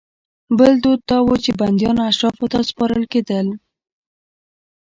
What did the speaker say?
بل دود دا و چې بندیان اشرافو ته سپارل کېدل.